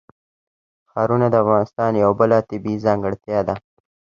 ښارونه د افغانستان یوه بله طبیعي ځانګړتیا ده.